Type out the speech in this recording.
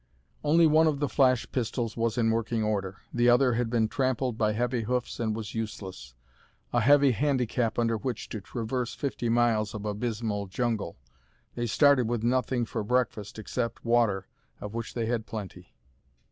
Only one of the flash pistols was in working order. The other had been trampled by heavy hoofs and was useless. A heavy handicap under which to traverse fifty miles of abysmal jungle. They started with nothing for breakfast except water, of which they had plenty.